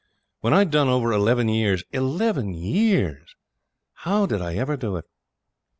When I'd done over eleven years eleven years! how did I ever do it?